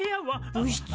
部室？